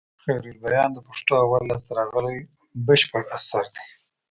خيرالبيان د پښتو اول لاسته راغلى بشپړ اثر دئ.